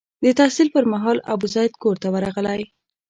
د تحصیل پر مهال ابوزید کور ته ورغلی.